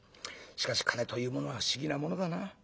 しかし金というものは不思議なものだな。